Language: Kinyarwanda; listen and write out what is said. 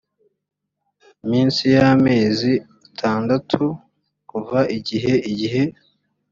munsi y amezi atandatu kuva igihe igihe